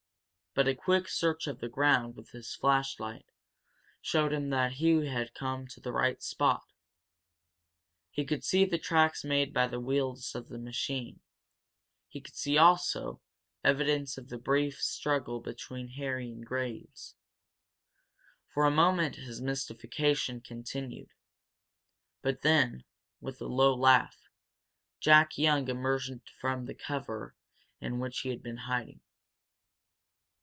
But a quick search of the ground with his flashlight showed him that he had come to the right spot. He could see the tracks made by the wheels of the machine; he could see, also, evidences of the brief struggle between Harry and Graves. For a moment his mystification continued. But then, with a low laugh, Jack Young emerged from the cover in which he had been hiding.